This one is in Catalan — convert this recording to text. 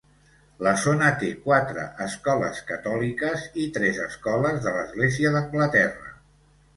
La zona té quatre escoles catòliques i tres escoles de l'Església d'Anglaterra.